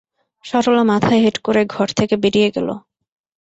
সরলা মাথা হেঁট করে ঘর থেকে বেরিয়ে গেল।